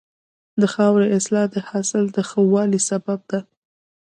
د خاورې اصلاح د حاصل د ښه والي سبب ده.